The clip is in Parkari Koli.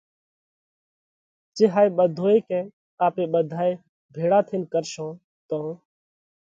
جي هائي ٻڌوئي ڪئين آپي ٻڌائي ڀيۯا ٿينَ ڪرشون تو